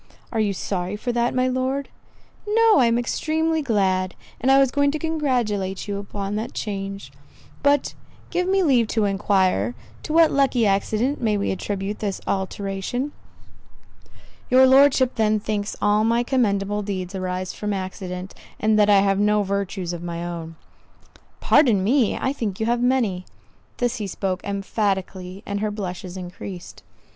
"Are you sorry for that, my Lord?" "No, I am extremely glad; and I was going to congratulate you upon the change. But give me leave to enquire, to what lucky accident we may attribute this alteration?" "Your Lordship then thinks all my commendable deeds arise from accident, and that I have no virtues of my own." "Pardon me, I think you have many." This he spoke emphatically; and her blushes increased.